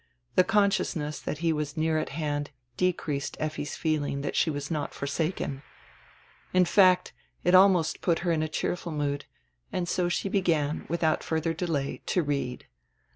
The consciousness that he was near at hand decreased Effi's feeling that she was forsaken. In fact, it almost put her in a cheerful mood, and so she began, with out further delay, to read.